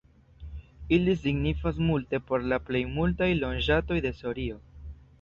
Ili signifas multe por la plejmultaj loĝantoj de Sorio.